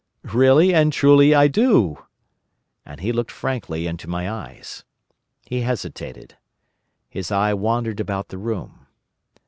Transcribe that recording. "Really and truly I do." And he looked frankly into my eyes. He hesitated. His eye wandered about the room.